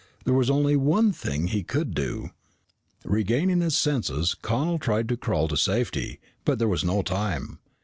There was only one thing he could do. Regaining his senses, Connel tried to crawl to safety, but there was no time.